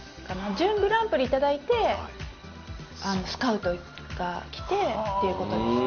準グランプリいただいて、スカウトが来てということでした。